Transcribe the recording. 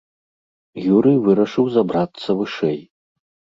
Юрый вырашыў забрацца вышэй.